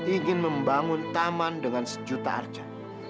ingin membangun taman dengan sejuta arca